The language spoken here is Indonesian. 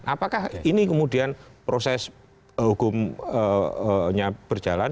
apakah ini kemudian proses hukumnya berjalan